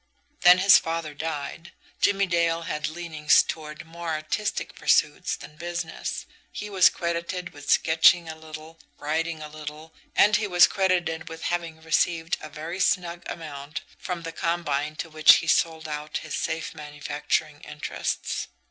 Then his father died. Jimmie Dale had leanings toward more artistic pursuits than business. He was credited with sketching a little, writing a little; and he was credited with having received a very snug amount from the combine to which he sold out his safe manufacturing interests.